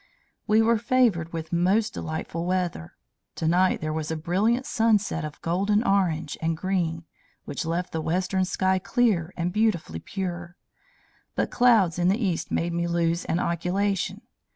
We were favored with most delightful weather. Tonight there was a brilliant sunset of golden orange and green, which left the western sky clear and beautifully pure; but clouds in the east made me lose an occulation.